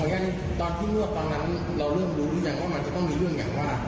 เอ้าขออย่างนี้ตอนที่นวดตอนนั้นเราเริ่มรู้พี่จังว่ามันจะต้องมีเรื่องอย่างว่า